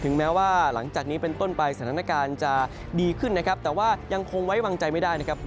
ถึงแม้ว่าหลังจากนี้เป็นต้นปลายสถานการณ์จะดีขึ้นนะครับยังคงว่าว่าไว้วางใจไม่ได้นะครับ